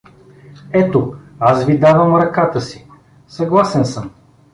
Ето, аз ви давам ръката си… Съгласен съм!